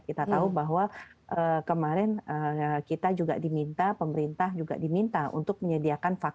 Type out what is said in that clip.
kita tahu bahwa kemarin kita juga diminta pemerintah juga diminta untuk menyediakan vaksin